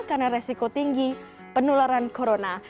karena resiko tinggi penularan corona